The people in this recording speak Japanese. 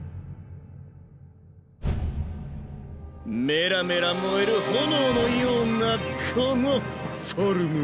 メラメラ燃える炎のようなこのフォルム。